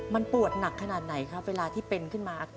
มันปวดหนักขนาดไหนครับเวลาที่เป็นขึ้นมา